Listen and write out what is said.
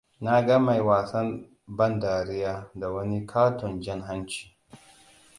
Na ga mai wasan bandariya da wani ƙaton jan hanci.